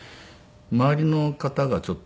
周りの方がちょっと。